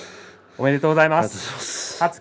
おめでとうございます。